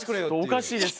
おかしいですよ。